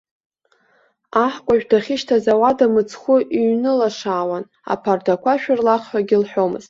Аҳкәажә дахьышьҭаз ауада мыцхәы иҩнылашаауан, аԥардақәа шәырлах ҳәагьы лҳәомызт.